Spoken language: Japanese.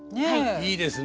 いいですね。